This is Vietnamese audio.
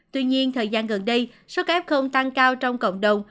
tuy nhiên thời gian gần đây số ca ép không tăng cao trong cộng đồng